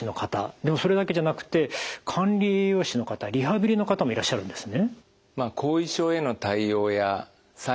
でもそれだけじゃなくて管理栄養士の方リハビリの方もいらっしゃるんですね。